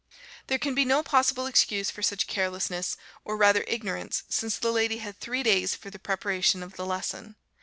There can be no possible excuse for such carelessness, or rather ignorance, since the lady had three days for the preparation of the lesson.